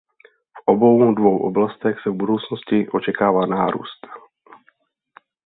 V obou dvou oblastech se v budoucnosti očekává nárůst.